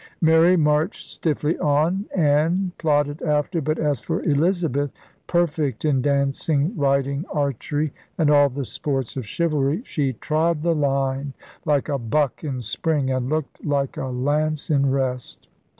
Mary marched stiffly on. Anne plodded after. But as for Elizabeth — per fect in dancing, riding, archery, and all the sports of chivalry — *she trod the ling like a buck in spring, and she looked like a lance in rest.'